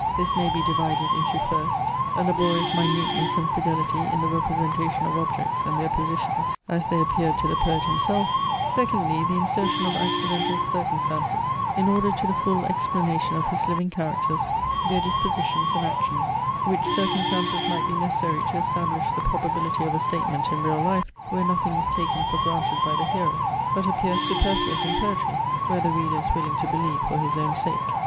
This may be divided into, first, a laborious minuteness and fidelity in the representation of objects, and their positions, as they appeared to the poet himself; secondly, the insertion of accidental circumstances, in order to the full explanation of his living characters, their dispositions and actions; which circumstances might be necessary to establish the probability of a statement in real life, where nothing is taken for granted by the hearer; but appear superfluous in poetry, where the reader is willing to believe for his own sake.